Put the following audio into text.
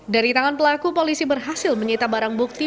dari tangan pelaku polisi berhasil menyita barang bukti